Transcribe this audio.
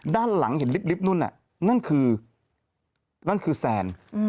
ด้านหลังเห็นริปนู้นนั่นนั่นคือแซน